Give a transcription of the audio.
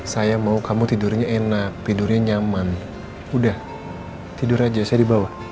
saya mau kamu tidurnya enak tidurnya nyaman udah tidur aja saya di bawah